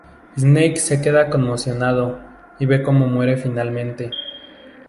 Snake se queda conmocionado, y ve cómo muere finalmente.